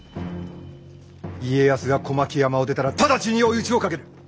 家康が小牧山を出たら直ちに追い打ちをかける！